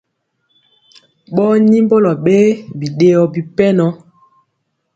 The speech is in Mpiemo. Ɓɔɔ nyimbɔlɔ ɓee biɗeyɔ bipɛnɔ.